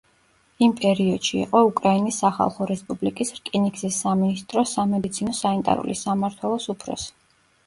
იმ პერიოდში იყო უკრაინის სახალხო რესპუბლიკის რკინიგზის სამინისტროს სამედიცინო-სანიტარული სამმართველოს უფროსი.